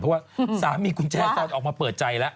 เพราะว่าสามีคุณแจ้ตอนออกมาเปิดใจแล้ว